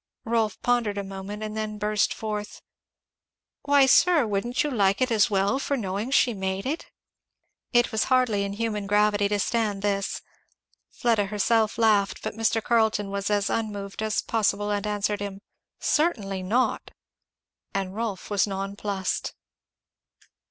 Rolf pondered a moment and then burst forth, "Why, sir, wouldn't you like it as well for knowing she made it?" It was hardly in human gravity to stand this. Fleda herself laughed, but Mr. Carleton as unmoved as possible answered him, "Certainly not!" and Rolf was nonplussed.